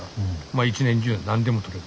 まあ一年中何でも取れると。